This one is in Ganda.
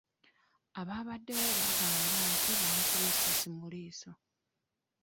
Abaabaddewo bagamba nti baamukubye essasi mu liiso.